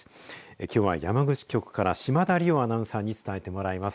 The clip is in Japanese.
きょうは山口局から島田莉生アナウンサーに伝えてもらいます。